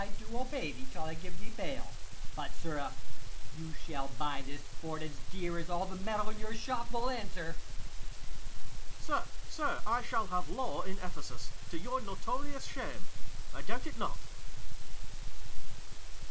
_ I do obey thee till I give thee bail. 80 But, sirrah, you shall buy this sport as dear As all the metal in your shop will answer. Ang. Sir, sir, I shall have law in Ephesus, To your notorious shame; I doubt it not.